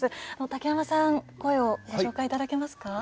竹山さん、声をご紹介いただけますか。